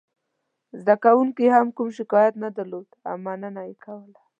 زده کوونکو هم کوم شکایت نه درلود او مننه یې کوله.